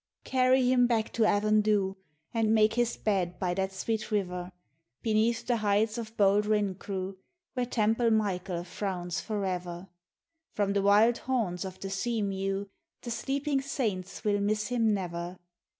" Carry him back to Avondhu And make his bed by that sweet river Beneath the heights of bold Rhincrew Where Temple Michael frowns for ever. From the wild haunts of the sea mew The sleeping saints will miss him never.